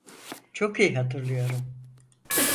Çok iyi hatırlıyorum.